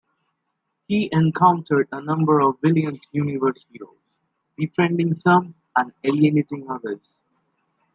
He encountered a number of Valiant Universe heroes, befriending some and alienating others.